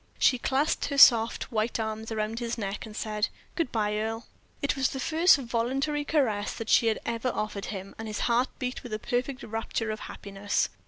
She clasped her soft, white arms around his neck, and said: "Good bye, Earle." It was the first voluntary caress that she had ever offered him, and his heart beat with a perfect rapture of happiness.